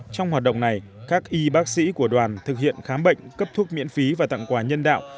trong hoạt động này các y bác sĩ của đoàn thực hiện khám bệnh cấp thuốc miễn phí và tặng quà nhân đạo